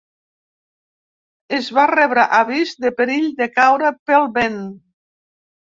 Es va rebre avís de perill de caure pel vent.